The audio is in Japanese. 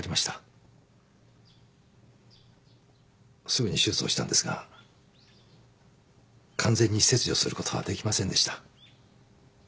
すぐに手術をしたんですが完全に切除することはできませんでした。